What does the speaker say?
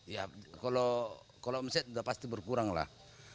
ya kalau omset sudah pasti berkurang lah